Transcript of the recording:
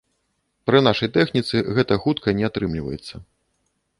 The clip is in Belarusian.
Пры нашай тэхніцы гэта хутка не атрымліваецца.